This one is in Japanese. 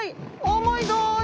重いぞい。